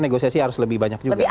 negosiasi harus lebih banyak juga